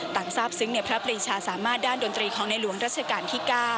ทราบซึ้งในพระปรีชาสามารถด้านดนตรีของในหลวงรัชกาลที่๙